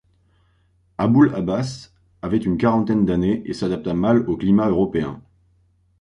Abul-Abbas avait une quarantaine d'années et s'adapta mal au climat européen.